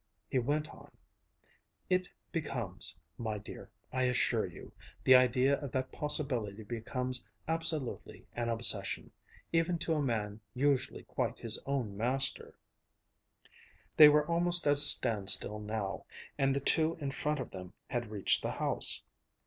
He went on: "It becomes, my dear, I assure you the idea of that possibility becomes absolutely an obsession even to a man usually quite his own master " They were almost at a standstill now, and the two in front of them had reached the house.